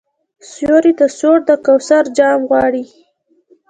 سیوري ته سوړ د کوثر جام غواړي